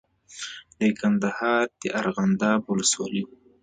د کندهار د ارغنداب ولسوالۍ